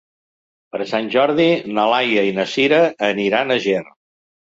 Per Sant Jordi na Laia i na Sira aniran a Ger.